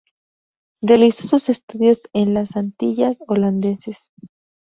Realizó sus estudios en las Antillas Holandeses.